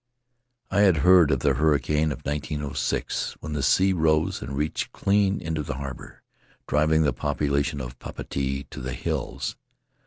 I had heard of the hurricane of 1906, when the sea rose and reached clean into the harbor, driving the population of Papeete to the hills.